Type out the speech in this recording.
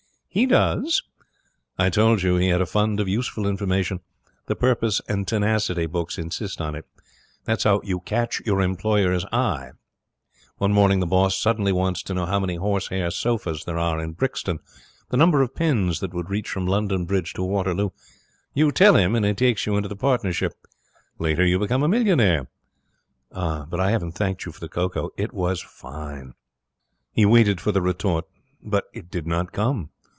'He does.' 'I told you he had a fund of useful information. The Purpose and Tenacity books insist on it. That's how you Catch your Employer's Eye. One morning the boss suddenly wants to know how many horsehair sofas there are in Brixton, the number of pins that would reach from London Bridge to Waterloo. You tell him, and he takes you into partnership. Later you become a millionaire. But I haven't thanked you for the cocoa. It was fine.' He waited for the retort, but it did not come.